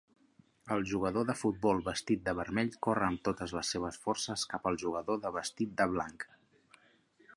El jugador de futbol vestit de vermell corre amb totes les seves forces cap al jugador de vestit de blanc.